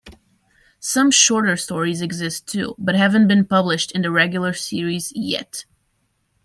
Some shorter stories exist too, but haven't been published in the regular series yet.